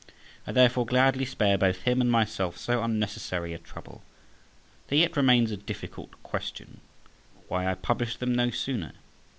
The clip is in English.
I therefore gladly spare both him and myself so unnecessary a trouble. There yet remains a difficult question—why I published them no sooner?